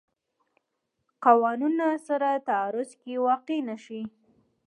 قوانونو سره تعارض کې واقع نه شي.